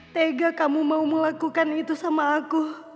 tega kamu mau melakukan itu sama aku